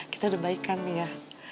kita udah baik kan ya